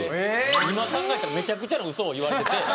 今考えたらめちゃくちゃなウソを言われて。